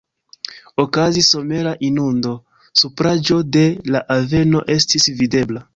Okazis somera inundo, supraĵo de la aveno estis videbla.